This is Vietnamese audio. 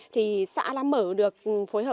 thì xã đã mở được phối hợp